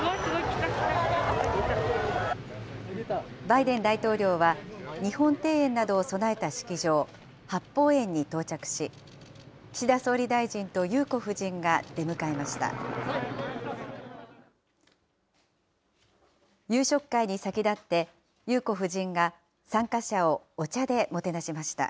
バイデン大統領は日本庭園などを備えた式場、八芳園に到着し、岸田総理大臣と裕子夫人が出迎えました。